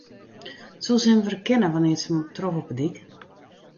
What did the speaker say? Soe se him werkenne wannear't se him trof op de dyk?